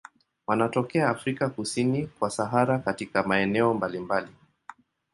Wanatokea Afrika kusini kwa Sahara katika maeneo mbalimbali.